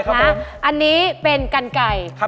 อุปกรณ์ทำสวนชนิดใดราคาถูกที่สุด